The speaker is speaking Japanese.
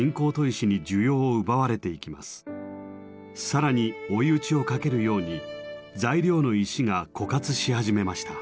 更に追い打ちをかけるように材料の石が枯渇し始めました。